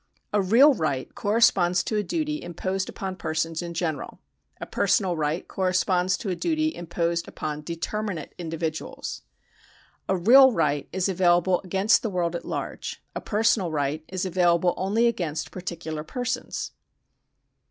A real right corresponds to a duty im posed upon persons in general ; a personal right corresponds to a duty imposed upon determinate individuals. A real right is available against the world at large ; a personal right is available only against particular persons.